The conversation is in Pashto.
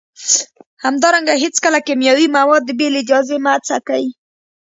همدارنګه هیڅکله کیمیاوي مواد بې له اجازې مه څکئ